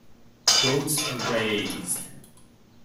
Goats are raised.